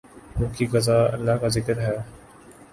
روح کی غذا اللہ کا ذکر ہے۔